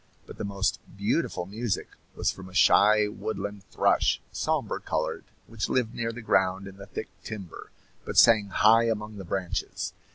But the most beautiful music was from a shy woodland thrush, sombre colored, which lived near the ground in the thick timber, but sang high among the branches.